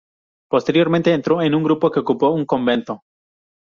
Posteriormente, entró en un grupo que ocupó un convento.